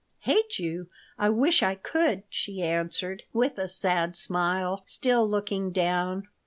"Hate you! I wish I could," she answered, with a sad smile, still looking down.